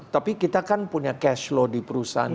tapi kita kan punya cash flow di perusahaan